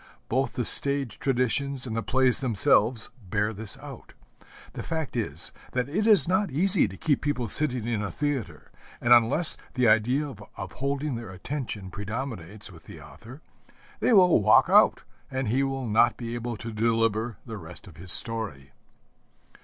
Both the stage traditions and the plays themselves bear this out. The fact is that it is not easy to keep people sitting in a theatre; and unless the idea of holding their attention predominates with the author, they will walk out, and he will not be able to deliver the rest of his story.